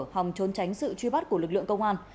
hòng trốn tránh sự truy bắt của lực lượng công an